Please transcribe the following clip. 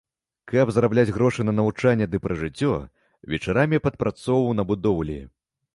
Каб зарабляць грошы на навучанне ды пражыццё, вечарамі падпрацоўваў на будоўлі.